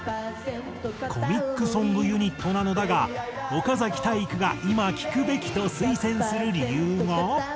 コミックソングユニットなのだが岡崎体育が今聴くべきと推薦する理由が。